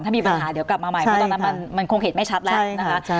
ถ้ามีปัญหาเดี๋ยวกลับมาใหม่เพราะตอนนั้นมันคงเห็นไม่ชัดแล้วนะคะ